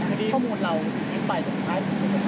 เมื่อดีข้อมูลเรามีไฟล์จากสุดท้าย